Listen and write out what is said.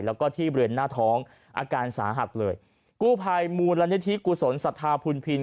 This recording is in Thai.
แล้วก็ที่บริเวณหน้าท้องอาการสาหัสเลยกู้ภัยมูลนิธิกุศลศรัทธาพุนพิน